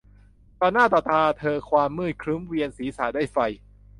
ต่อหน้าต่อตาเธอความมืดครึ้มเวียนศีรษะด้วยไฟ